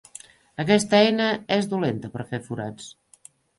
Aquesta eina és dolenta per a fer forats.